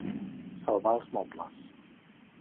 Salvar els mobles.